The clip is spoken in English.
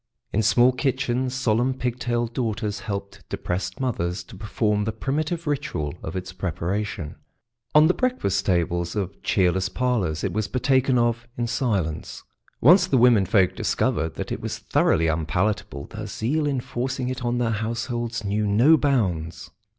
In small kitchens solemn pig tailed daughters helped depressed mothers to perform the primitive ritual of its preparation. On the breakfast tables of cheerless parlours it was partaken of in silence. Once the womenfolk discovered that it was thoroughly unpalatable, their zeal in forcing it on their households knew no bounds.